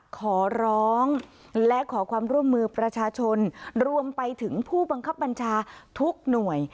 ขอร้องและขอความร่วมมือประชาชนรวมไปถึงผู้บังคับบัญชาทุกหน่วย